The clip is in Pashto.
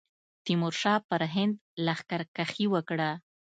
تیمورشاه پر هند لښکرکښي وکړه.